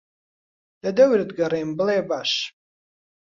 لەدەورت گەڕێم بڵێ باش